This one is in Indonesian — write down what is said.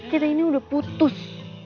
kita ini udah putus